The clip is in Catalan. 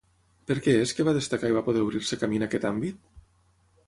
Per què és que va destacar i va poder obrir-se camí en aquest àmbit?